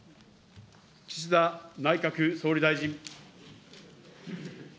岸田内閣総理大臣。